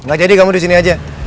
gak jadi kamu disini aja